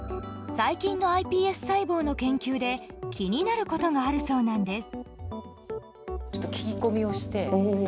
最近のｉＰＳ細胞の研究で気になることがあるそうなんです。